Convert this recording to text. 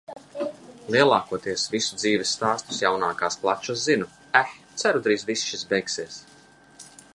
Lielākoties visu dzīvesstāstus, jaunākās klačas zinu. Eh, ceru drīz viss šis beigsies.